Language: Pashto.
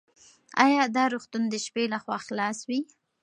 ایا دا روغتون د شپې لخوا خلاص وي؟